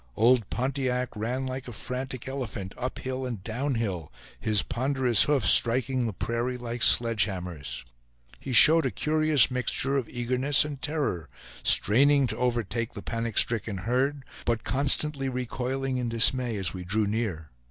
Old Pontiac ran like a frantic elephant up hill and down hill, his ponderous hoofs striking the prairie like sledge hammers. He showed a curious mixture of eagerness and terror, straining to overtake the panic stricken herd, but constantly recoiling in dismay as we drew near.